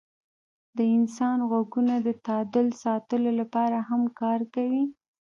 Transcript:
د انسان غوږونه د تعادل ساتلو لپاره هم کار کوي.